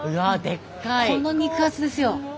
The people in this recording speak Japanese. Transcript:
この肉厚ですよ。